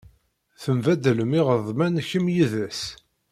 Tembaddalem iɣeḍmen kemm yid-s.